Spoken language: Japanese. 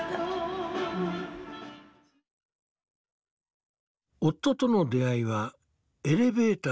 夫との出会いはエレベーターの中だった。